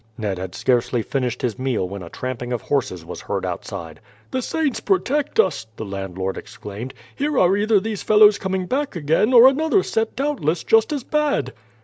Ned had scarcely finished his meal when a tramping of horses was heard outside. "The saints protect us!" the landlord exclaimed. "Here are either these fellows coming back again, or another set doubtless just as bad."